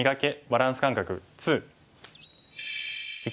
バランス感覚２」。